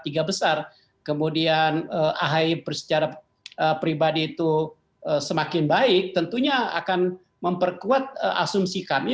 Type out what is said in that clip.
tiga besar kemudian ahi secara pribadi itu semakin baik tentunya akan memperkuat asumsi kami